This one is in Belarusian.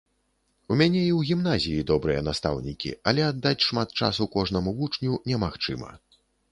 У мяне і ў гімназіі добрыя настаўнікі, але аддаць шмат часу кожнаму вучню немагчыма.